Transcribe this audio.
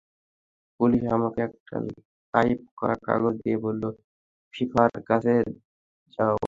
Police আমাকে একটা type করা কাগজ দিয়ে বলল, ফিফার কাছে যাও।